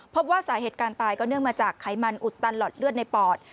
พบว่าสาเหตุการณ์ตายก็เนื่องมาจากไขมันอุดตันหลอดเลือดในปอด